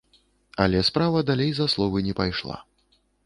Але справа далей за словы не пайшла.